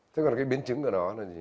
thế còn cái biến chứng của nó là